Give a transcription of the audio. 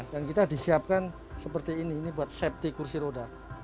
dan kita disiapkan seperti ini ini buat safety kursi roda